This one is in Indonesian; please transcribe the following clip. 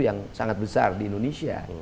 yang sangat besar di indonesia